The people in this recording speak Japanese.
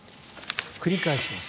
繰り返します。